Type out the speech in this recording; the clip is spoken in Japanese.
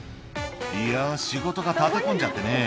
「いや仕事が立て込んじゃってね